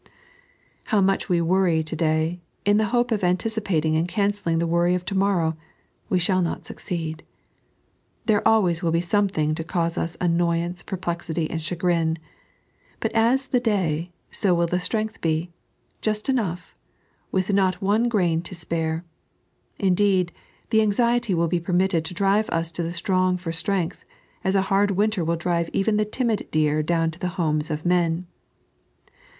However much we worry to day, in the hope of antici pating and cancelling the worry of to morrow, we shall not succeed. There always will be something to cause us annoyance, perplexity, and chagrin. But as the day, so will the strength be — just enough, with not one grain to spare. Indeed, the anxiety will be permitted to drive us to the strong for strength, as a hard winter will drive even the timid deer down to the homes of men.